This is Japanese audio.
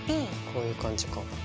こういう感じか。